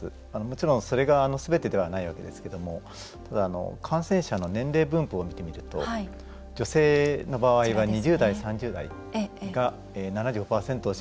もちろん、それがすべてではないわけですけどもただ、感染者の年齢分布を見てみると女性の場合は２０代、３０代が７５％を占めています。